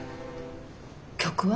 曲は？